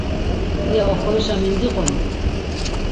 İya oxorişa mindiqonit.